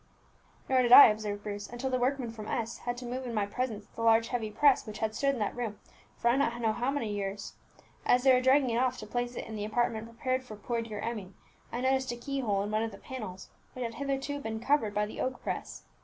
"Nor did I," observed Bruce, "until the workmen from S had to move in my presence the large heavy press which had stood in that room for I know not how many years. As they were dragging it off to place it in the apartment prepared for poor dear Emmie, I noticed a key hole in one of the panels which had hitherto been covered by the oak press.